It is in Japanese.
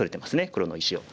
黒の石を。